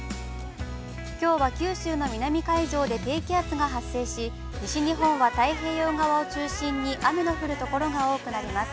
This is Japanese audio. きょうは九州の３海上で低気圧が発生し、西日本は太平洋側を中心に雨の降るところが多くなります。